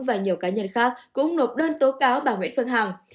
và nhiều cá nhân khác cũng nộp đơn tố cáo bà nguyễn phương hằng